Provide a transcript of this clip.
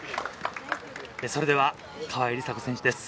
それでは、川井梨紗子選手です。